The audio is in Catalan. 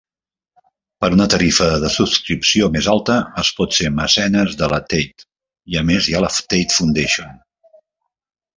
Per una tarifa de subscripció més alta, es pot ser mecenes de la Tate, i a més hi ha la Tate Foundation.